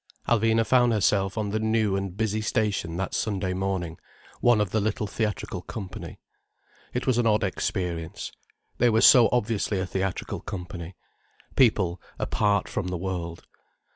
Alvina found herself on the new and busy station that Sunday morning, one of the little theatrical company. It was an odd experience. They were so obviously a theatrical company—people apart from the world.